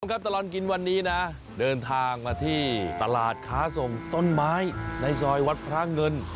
ครับตลอดกินวันนี้นะเดินทางมาที่ตลาดค้าส่งต้นไม้ในซอยวัดพระเงิน